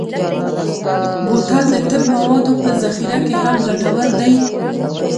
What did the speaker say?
بوتل د طب موادو په ذخیره کې هم ګټور دی.